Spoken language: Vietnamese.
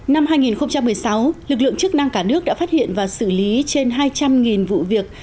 năm hai nghìn một mươi sáu lực lượng chức năng cả nước đã phát hiện và xử lý trên hai trăm linh vụ việc